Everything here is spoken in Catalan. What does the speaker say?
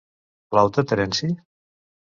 Plau-te Terenci?